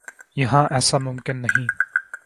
یہاں ایسا ممکن نہیں۔